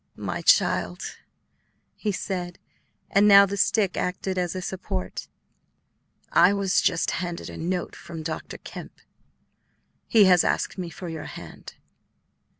"My child," he said, and now the stick acted as a support, "I was just handed a note from Dr. Kemp. He has asked me for your hand."